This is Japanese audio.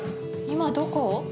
今どこ？